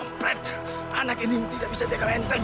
sumpit anak ini tidak bisa jaga menteng